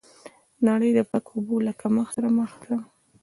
نړۍ د پاکو اوبو له کمښت سره مخ ده.